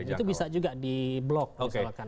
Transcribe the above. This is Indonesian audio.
itu bisa juga di blok misalkan